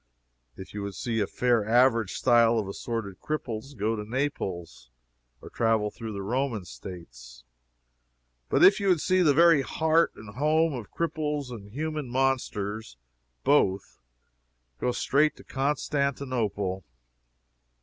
If you would see a fair average style of assorted cripples, go to Naples, or travel through the Roman States. But if you would see the very heart and home of cripples and human monsters, both, go straight to Constantinople.